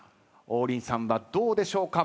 王林さんはどうでしょうか。